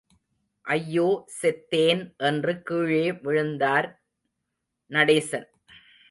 ஐயோ செத்தேன் என்று கீழே விழுந்தார் நடேசன்.